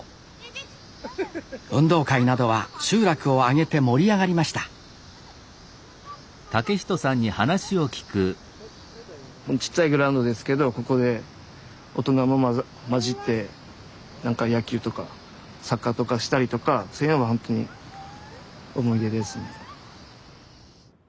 運動会などは集落をあげて盛り上がりましたちっちゃいグラウンドですけどここで大人も交じってなんか野球とかサッカーとかしたりとかそういうのがほんとに思い出ですね。